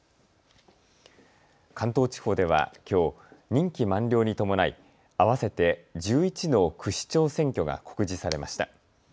関東地方ではきょう、任期満了に伴い合わせて１１の区市長選挙が告示されました。